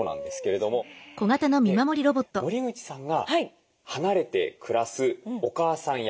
森口さんが離れて暮らすお母さん役。